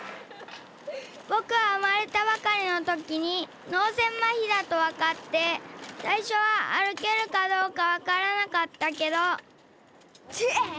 ぼくはうまれたばかりのときにのうせいまひだとわかってさいしょはあるけるかどうかわからなかったけどてい！